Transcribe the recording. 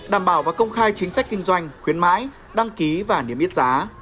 đảm bảo và công khai chính sách kinh doanh khuyến mãi đăng ký và niêm yết giá